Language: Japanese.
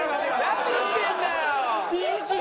何してんだよ！